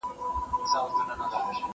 زه اوس پوښتنه کوم!؟